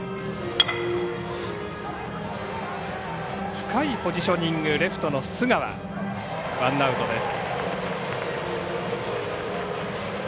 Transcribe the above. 深いポジショニングレフトの須川ワンアウトです。